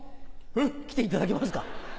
えっ！来ていただけますか？